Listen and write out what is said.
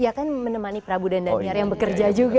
ya kan menemani prabu dan daniar yang bekerja juga